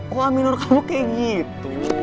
kok a minor kamu kayak gitu